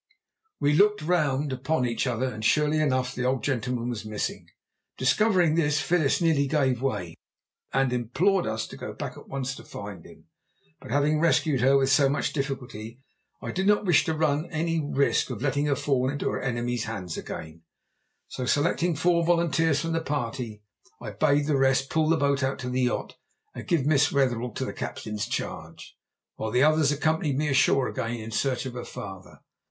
_" We looked round upon each other, and surely enough the old gentleman was missing. Discovering this, Phyllis nearly gave way, and implored us to go back at once to find him. But having rescued her with so much difficulty I did not wish to run any risk of letting her fall into her enemies' hands again; so selecting four volunteers from the party, I bade the rest pull the boat out to the yacht and give Miss Wetherell into the captain's charge, while the others accompanied me ashore again in search of her father.